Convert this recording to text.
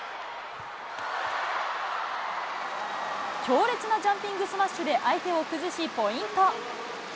強烈なジャンピングスマッシュで相手を崩し、ポイント。